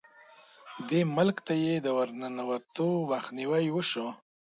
دې ملک ته یې د ورننوتو مخنیوی وشو.